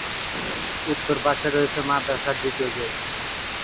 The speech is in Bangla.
উত্তর পাশে রয়েছে মাদ্রাসার দ্বীতিয় গেইট।